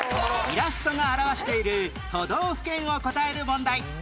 イラストが表している都道府県を答える問題